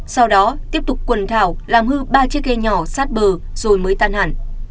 sau đó tiếp tục quần thảo làm hư ba chiếc ghe nhỏ sát bờ rồi mới tan hẳn